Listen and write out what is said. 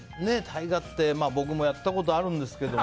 大河って僕もやったことあるんですけど。